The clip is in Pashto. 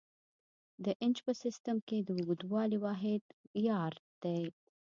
د انچ په سیسټم کې د اوږدوالي واحد یارډ دی.